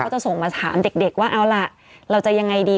จะส่งมาถามเด็กว่าเอาล่ะเราจะยังไงดี